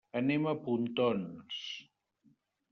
Anem a Pontons.